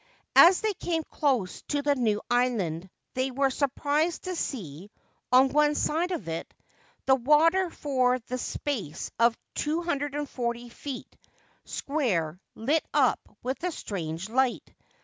As they came close to the new island they were surprised to see, on one side of it, the water for the space of 240 feet square lit up with a strange light.